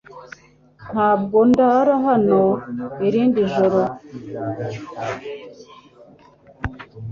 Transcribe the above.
Ntabwo ndara hano irindi joro